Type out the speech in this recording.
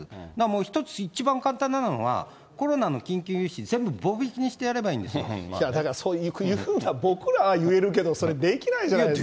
一つ、一番簡単なのは、コロナの緊急融資、全部棒引きにしてやれいや、だからね、僕らは言えるけど、それできないじゃないですか。